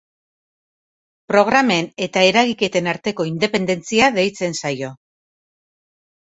Programen eta eragiketen arteko independentzia deitzen zaio.